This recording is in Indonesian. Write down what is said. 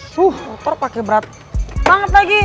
suh motor pakai berat banget lagi